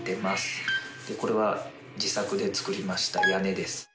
でこれは自作で作りました屋根です。